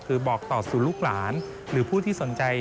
คือบอกต่อสู่ลูกหลานหรือผู้ที่สนใจ